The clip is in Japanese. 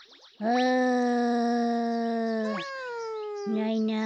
ないなあ。